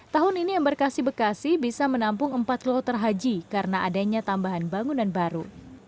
tahun ini embarkasi bekasi bisa menampung empat kloter haji karena adanya tambahan bangunan baru